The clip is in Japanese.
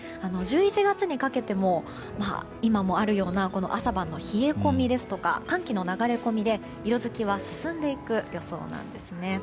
１１月にかけても今もあるようなこの朝晩の冷え込みですとか寒気の流れ込みで色づきが進んでいく予想なんですね。